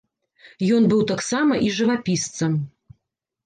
Ён быў таксама і жывапісцам.